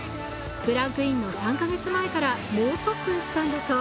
クランクインの３カ月前から猛特訓したんだそう。